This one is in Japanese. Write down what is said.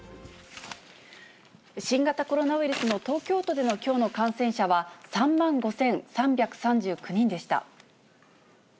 新型コロナウイルスの東京都でのきょうの感染者は３万５３３９人でした。